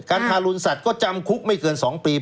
ทารุณสัตว์ก็จำคุกไม่เกิน๒ปี